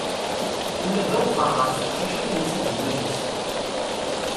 Ula d awexxer ɣef teqcicin yusa-d iman-is.